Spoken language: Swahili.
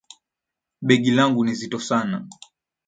Begi langu ni zito sana